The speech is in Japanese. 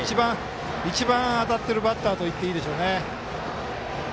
一番、当たってるバッターといっていいでしょうね。